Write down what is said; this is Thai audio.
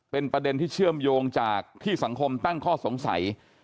เป็นประเด็นที่เชื่อมโยงจากที่สังคมตั้งข้อสงสัย